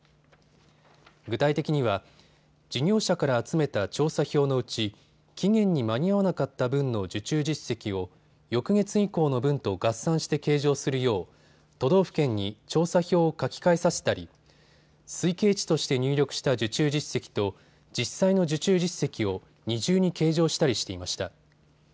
具体的には事業者から集めた調査票のうち期限に間に合わなかった分の受注実績を翌月以降の分と合算して計上するよう都道府県に調査票を書き換えさせたり推計値として入力した受注実績と実際の受注実績を二重に計上したりしていました。